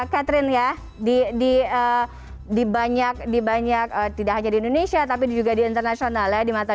catherine ya di banyak di banyak tidak hanya di indonesia tapi juga di internasional ya di mata